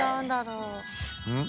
うん？